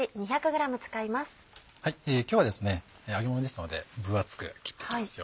今日は揚げものですので分厚く切っていきますよ。